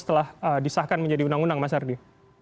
setelah disahkan menjadi undang undang mas ardi